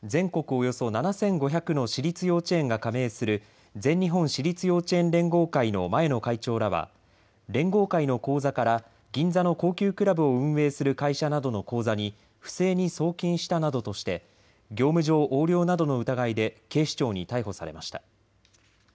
およそ７５００の私立幼稚園が加盟する全日本私立幼稚園連合会の前の会長らは連合会の口座から銀座の高級クラブを運営する会社などの口座に不正に送金したなどとして業務上横領などの疑いで警視庁に逮捕されました。